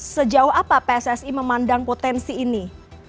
sejauh apa pssi memandang potensi ini